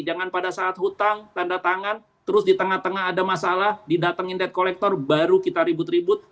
jangan pada saat hutang tanda tangan terus di tengah tengah ada masalah didatengin debt collector baru kita ribut ribut